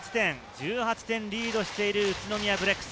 １８点リードしている宇都宮ブレックス。